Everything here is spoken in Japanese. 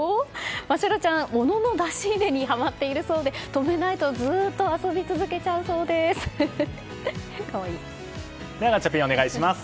真白ちゃんは物の出し入れにはまっているそうで止めないとでは、ガチャピンお願いします。